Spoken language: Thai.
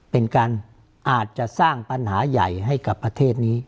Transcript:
เป็นการอาจจะสร้างปัญหาใหญ่ให้กับประเทศนี้